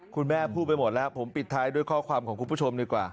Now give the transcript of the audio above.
คุณแม่พูดไปหมดแล้วผมปิดท้ายด้วยข้อความของคุณผู้ชมดีกว่า